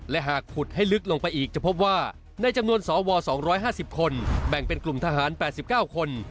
และหากขุดให้ลึกลงไปอีกจะพบว่าในจำนวนสว๒๕๐คนแบ่งเป็นกลุ่มทหาร๘๙คน